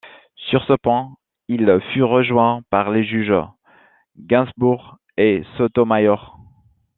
Sur ce point, il fut rejoint par les juges Ginsburg et Sotomayor.